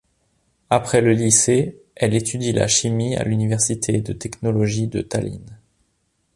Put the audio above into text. Après le lycée, elle étudie la chimie à l'université de technologie de Tallinn.